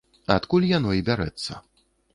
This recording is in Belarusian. Адкуль яно і бярэцца.